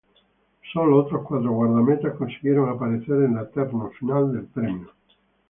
Sólo otros cuatro guardametas consiguieron aparecer en la terna final del premio.